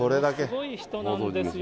すごい人なんですよ。